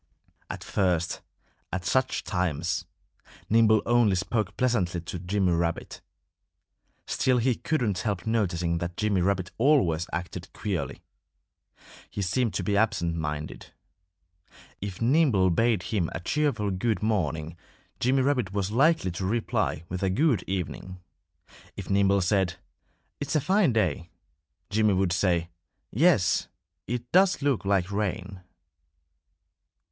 At first, at such times, Nimble only spoke pleasantly to Jimmy Rabbit. Still he couldn't help noticing that Jimmy Rabbit always acted queerly. He seemed to be absent minded. If Nimble bade him a cheerful good morning Jimmy Rabbit was likely to reply with a good evening. If Nimble said, "It's a fine day," Jimmy would say, "Yes! It does look like rain."